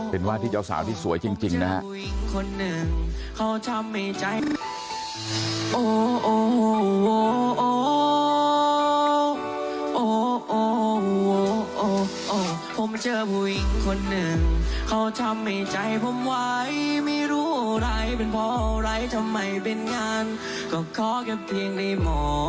เป็นว่าที่เจ้าสาวที่สวยจริงนะฮะ